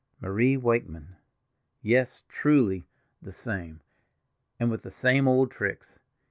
Marie Wakeman! Yes, truly, the same, and with the same old tricks.